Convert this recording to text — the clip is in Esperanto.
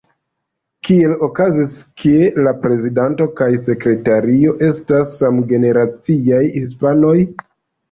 Kiel okazis, ke la prezidanto kaj sekretario estas samgeneraciaj hispanoj?